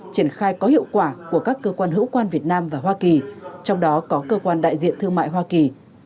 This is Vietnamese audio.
triển khai có hiệu quả của các cơ quan hữu quan việt nam và hoa kỳ trong đó có cơ quan đại diện thương mại hoa kỳ